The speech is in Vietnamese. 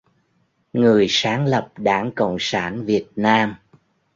người sáng lập Đảng Cộng sản Việt Nam